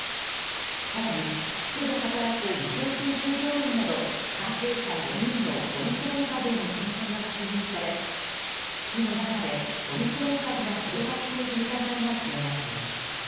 さらに基地で働く日本人従業員など、関係者４人のオミクロン株への感染が確認され、基地の中でオミクロン株が広がっている疑いが強まっています。